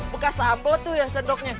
bekas sambo tuh ya sendoknya